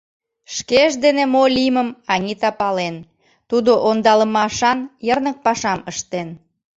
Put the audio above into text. Шкеж дене мо лиймым Анита пален: тудо ондалымашан, йырнык пашам ыштен.